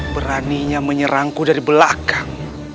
beraninya menyerangku dari belakang